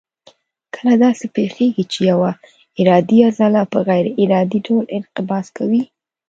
کله داسې پېښېږي چې یوه ارادي عضله په غیر ارادي ډول انقباض کوي.